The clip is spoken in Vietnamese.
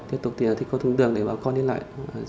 tiếp tục thi công thường đường để bà con nhân lại